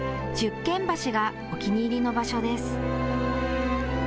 十間橋が、お気に入りの場所です。